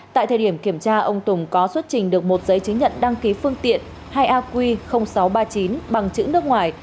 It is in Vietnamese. tại thời điểm kiểm tra ông tùng có xuất trình được một giấy chứng nhận đăng ký phương tiện hai aq sáu trăm ba mươi chín bằng chữ nước ngoài